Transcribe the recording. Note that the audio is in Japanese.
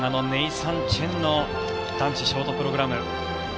ネイサン・チェンの男子ショートプログラム